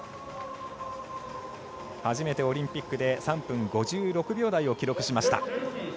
初めてオリンピックで３分５６秒台を記録しました。